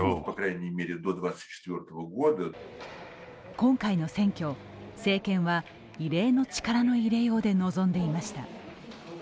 今回の選挙、政権は異例の力の入れようで臨んでいました。